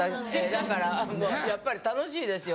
だからやっぱり楽しいですよ。